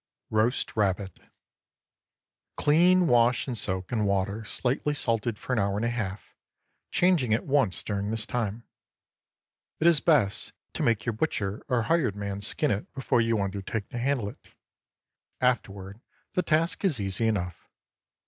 ROAST RABBIT. Clean, wash, and soak in water slightly salted for an hour and a half, changing it once during this time. It is best to make your butcher or hired man skin it before you undertake to handle it. Afterward, the task is easy enough.